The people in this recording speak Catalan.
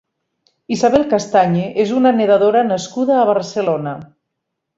Isabel Castañe és una nedadora nascuda a Barcelona.